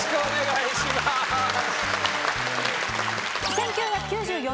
１９９４年